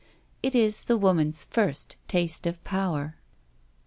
It is the woman's first taste of power.